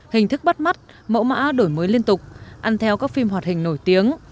hình thức bắt mắt mẫu mã đổi mới liên tục ăn theo các phim hoạt hình nổi tiếng